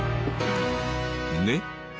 ねっ？